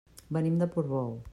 Venim de Portbou.